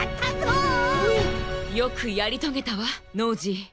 よくやりとげたわノージー。